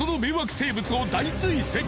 生物を大追跡。